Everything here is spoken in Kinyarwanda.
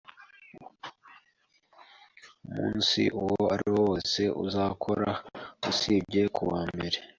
Umunsi uwo ariwo wose uzakora usibye kuwa mbere.